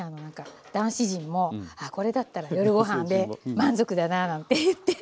男子陣も「あこれだったら夜ご飯で満足だな」なんて言って。